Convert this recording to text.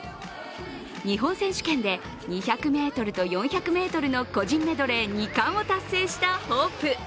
日本選手権で２００ｍと４００ｍの個人メドレー２冠を達成したホープ。